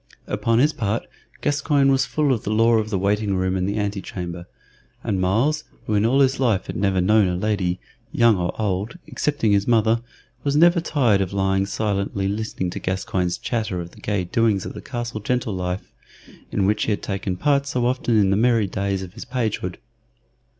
Upon his part Gascoyne was full of the lore of the waiting room and the antechamber, and Myles, who in all his life had never known a lady, young or old, excepting his mother, was never tired of lying silently listening to Gascoyne's chatter of the gay doings of the castle gentle life, in which he had taken part so often in the merry days of his pagehood.